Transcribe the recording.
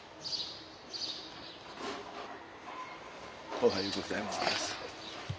おはようございます。